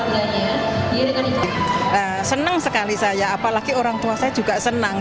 saya senang sekali apalagi orang tua saya juga senang